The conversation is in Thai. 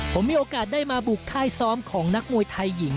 ผมมีโอกาสได้มาบุกค่ายซ้อมของนักมวยไทยหญิง